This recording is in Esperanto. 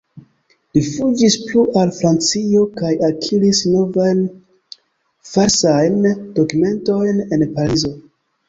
Li fuĝis plu al Francio kaj akiris novajn falsajn dokumentojn en Parizo.